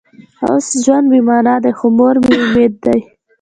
اوس ژوند بې معنا دی خو مور مې امید دی